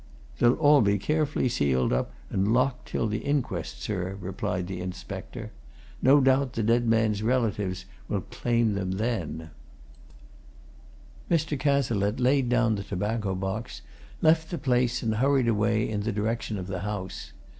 "They'll all be carefully sealed up and locked up till the inquest, sir," replied the inspector. "No doubt the dead man's relatives will claim them." Mr. Cazalette laid down the tobacco box, left the place, and hurried away in the direction of the house.